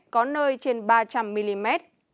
có nơi trên ba trăm linh mm